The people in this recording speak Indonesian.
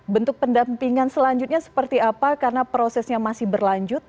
bentuk pendampingan selanjutnya seperti apa karena prosesnya masih berlanjut